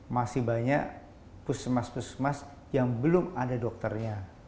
masih banyak pusat semestinya yang belum ada dokternya